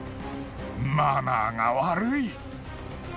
マナーが悪い！